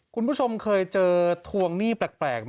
คุณผู้ชมเคยเจอทวงหนี้แปลกไหม